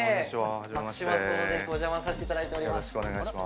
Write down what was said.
松島聡です、お邪魔させていただいております。